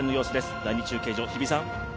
第２中継所、日比さん。